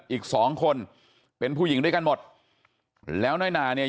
อีกสองคนเป็นผู้หญิงด้วยกันหมดแล้วน้อยหนาเนี่ย